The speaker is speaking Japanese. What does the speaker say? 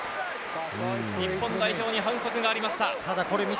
日本代表に反則がありました。